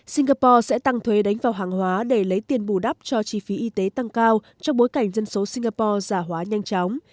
singapore sẽ tăng thuế đánh vào hàng hóa để lấy tiền bù đắp cho chi phí y tế tăng cao trong bối cảnh dân số singapore giả hóa nhanh chóng